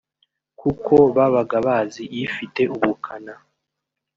kuko babaga bazi ifite ubukana